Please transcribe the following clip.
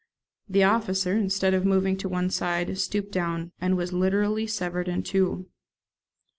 The officer, instead of moving to one side, stooped down, and was literally severed in two.